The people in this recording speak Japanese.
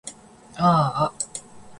あーあ